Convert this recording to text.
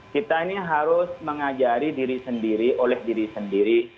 kita ini harus mengajari diri sendiri oleh diri sendiri